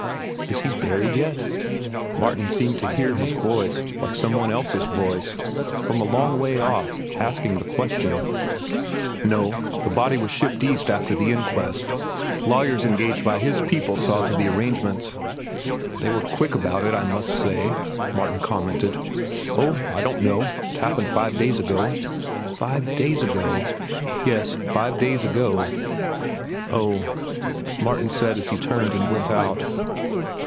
"Is he buried yet?" Martin seemed to hear his voice, like some one else's voice, from a long way off, asking the question. "No. The body was shipped East after the inquest. Lawyers engaged by his people saw to the arrangements." "They were quick about it, I must say," Martin commented. "Oh, I don't know. It happened five days ago." "Five days ago?" "Yes, five days ago." "Oh," Martin said as he turned and went out.